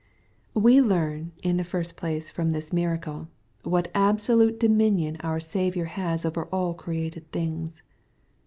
We learn, in the first place, from this miracle, what absolute dominion our Saviour has over all created things.